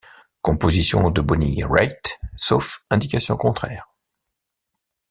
Compositions de Bonnie Raitt, sauf indication contraire.